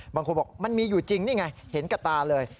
บางคนบอกมันมีอยู่จริงนี่ไงเห็นกับตาเลย